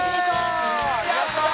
やったー！